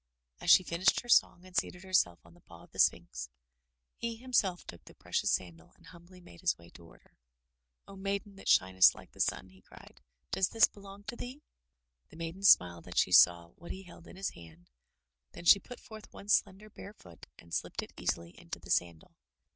*' As she finished her song and seated herself on the paw of the Sphinx, he himself took the precious sandal and humbly made his way toward her. "O maiden that shinest like the sun!'' he cried, "does this belong to thee?" The maiden smiled as she saw what he held in his hand, then she put forth one slender bare foot and slipped it easily into the sandal.